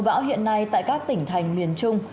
bão hiện nay tại các tỉnh thành miền trung